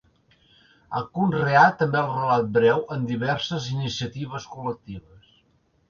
Ha conreat també el relat breu en diverses iniciatives col·lectives.